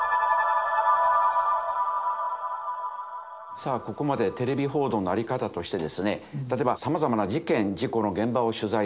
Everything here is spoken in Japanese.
さあここまでテレビ報道のあり方としてですね例えばさまざまな事件事故の現場を取材する。